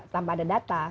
tanpa ada data